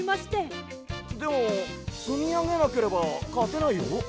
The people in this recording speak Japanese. でもつみあげなければかてないよ。